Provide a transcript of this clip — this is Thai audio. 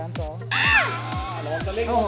ร้องกะเล่น